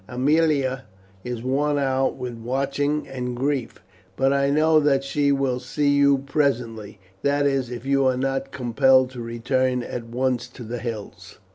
Aemilia is worn out with watching and grief, but I know that she will see you presently, that is, if you are not compelled to return at once to the hills."